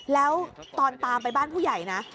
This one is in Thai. แล้วตอนตามไปบ้านผู้ใหญ่นะ